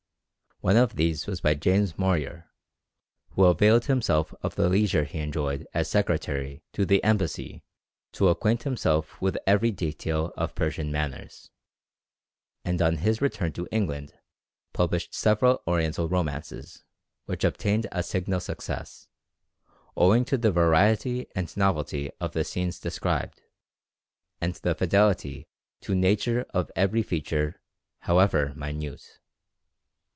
One of these was by James Morier, who availed himself of the leisure he enjoyed as secretary to the embassy to acquaint himself with every detail of Persian manners, and on his return to England published several Oriental romances, which obtained a signal success, owing to the variety and novelty of the scenes described, and the fidelity to nature of every feature, however minute.